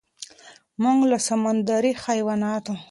مونږ لکه سمندري حيوانات